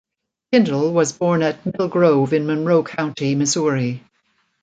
Pindall was born at Middle Grove in Monroe County, Missouri.